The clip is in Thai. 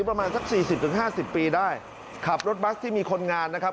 ประมาณสัก๔๐๕๐ปีได้ขับรถบัสที่มีคนงานนะครับ